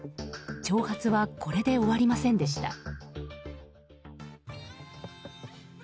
挑発はこれで終わりませんでした。